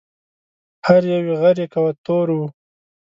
هر یو غر یې کوه طور و